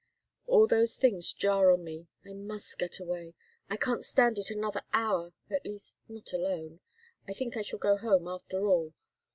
All those things jar on me. I must get away. I can't stand it another hour at least not alone. I think I shall go home, after all."